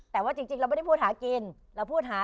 แต่ว่าจริงเราไม่ได้พูดหากินเราพูดหา